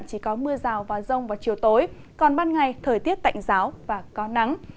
chỉ có mưa rào và rông vào chiều tối còn ban ngày thời tiết tạnh giáo và có nắng